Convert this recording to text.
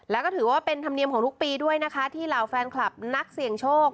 แล้วก็ถือว่าเป็นธรรมเนียมของทุกปีด้วยนะคะที่เหล่าแฟนคลับนักเสี่ยงโชค